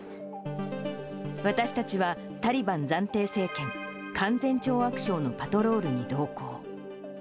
私たちは、タリバン暫定政権、勧善懲悪省のパトロールに同行。